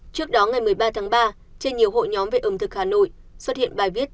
trước đó ngày một mươi ba tháng ba trên nhiều hội nhóm về ẩm thực hà nội xuất hiện bài viết